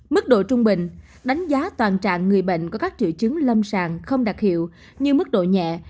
mức độ trung bình đánh giá toàn trạng người bệnh có các triệu chứng lâm sàng không đặc hiệu như mức độ nhẹ